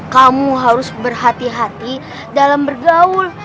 kamu harus berhati hati dalam bergaul